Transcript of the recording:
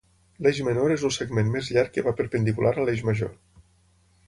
L'eix menor és el segment més llarg que va perpendicular a l'eix major.